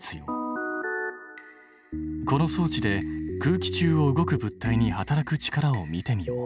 この装置で空気中を動く物体に働く力を見てみよう。